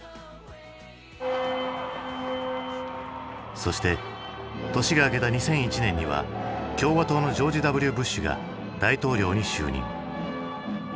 そして年が明けた２００１年には共和党のジョージ・Ｗ・ブッシュが大統領に就任。